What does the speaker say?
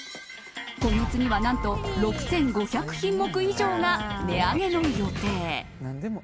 今月には何と６５００品目以上が値上げの予定。